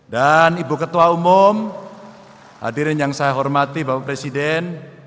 dan ibu ketua umum hadirin yang saya hormati bapak presiden